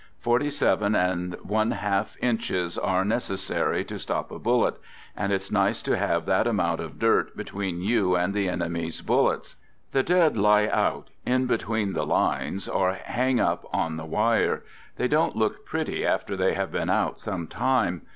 Forty seven and one half inches are necessary to stop a bullet, and it's nice to have that amount of dirt {Letter of Louis Keene) "THE GOOD SOLDIER" 131 between you and the enemy's bullets. The dead lie out in between the lines or hang up on the wire; they don't look pretty after they have been out some time.